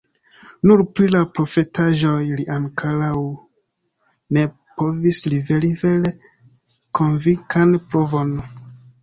Nur pri la profetaĵoj li ankoraŭ ne povis liveri vere konvinkan pruvon.